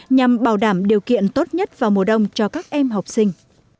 nhằm bảo đảm điều kiện tốt nhất vào mùa đông cho các em học sinh